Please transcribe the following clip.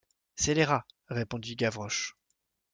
C’est les rats, répondit Gavroche.